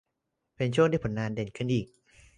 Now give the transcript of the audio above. เป็นช่วงที่ผลงานเด่นขึ้นอีก